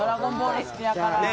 好きだから。